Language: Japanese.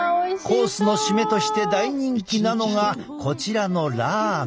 コースの締めとして大人気なのがこちらのラーメン。